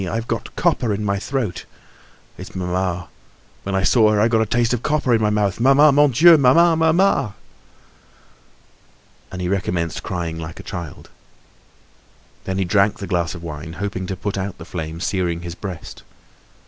I've got copper in my throat. It's mamma. When I saw her I got a taste of copper in my mouth. Mamma! Mon Dieu! mamma, mamma!" And he recommenced crying like a child. Then he drank the glass of wine, hoping to put out the flame searing his breast.